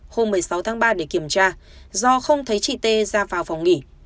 hôm một mươi sáu tháng ba để kiểm tra do không thấy chị t ra vào phòng nghỉ